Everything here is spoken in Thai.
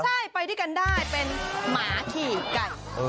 ใช่ไปด้วยกันได้เป็นหมาขี่ไก่